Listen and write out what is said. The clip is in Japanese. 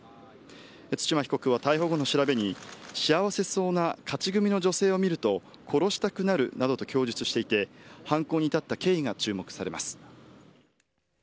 対馬被告は逮捕後の調べに、幸せそうな勝ち組の女性を見ると殺したくなると供述していて、犯行に至った経緯が注目されます。